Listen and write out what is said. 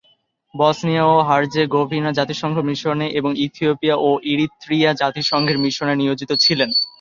Bosnia ও Herzegovina জাতিসংঘ মিশনে এবং ইথিওপিয়া ও ইরিত্রিয়া জাতিসংঘের মিশনে নিয়োজিত ছিলেন।